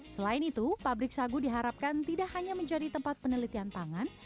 selain itu pabrik sagu diharapkan tidak hanya menjadi tempat penelitian pangan